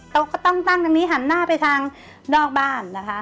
เขาก็ต้องตั้งตรงนี้หันหน้าไปทางนอกบ้านนะคะ